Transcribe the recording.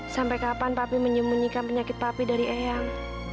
sampai kapan papi menyembunyikan penyakit papi dari eyang